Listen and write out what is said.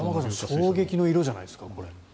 衝撃の色じゃないですか。